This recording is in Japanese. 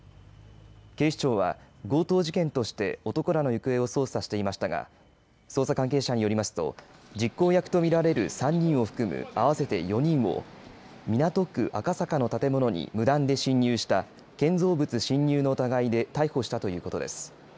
警視庁は強盗事件として男らの行方を捜査していましたが捜査関係者によりますと実行役と見られる３人を含む合わせて４人を港区赤坂の建物に無断で侵入した建造物侵入の疑いで逮捕したということです。